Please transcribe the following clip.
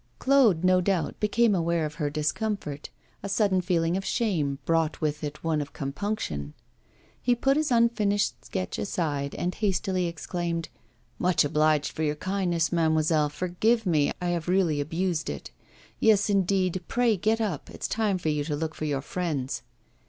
Claude, no doubt, became aware of her discomfort. A sudden feeling of shame brought with it one of compunction. He put his unfinished sketch aside, and hastily exclaimed: 'Much obliged for your kindness, mademoiselle. Forgive me, I have really abused it. Yes, indeed, pray get up; it's time for you to look for your friends.